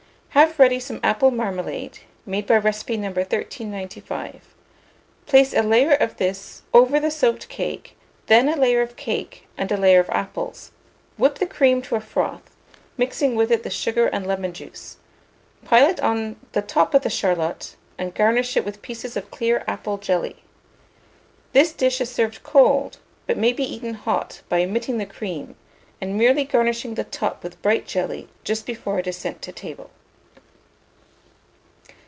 Have ready some apple marmalade, made by recipe No. 1395; place a layer of this over the soaked cake, then a layer of cake and a layer of apples; whip the cream to a froth, mixing with it the sugar and lemon juice; pile it on the top of the charlotte, and garnish it with pieces of clear apple jelly. This dish is served cold, but may be eaten hot, by omitting the cream, and merely garnishing the top with bright jelly just before it is sent to table.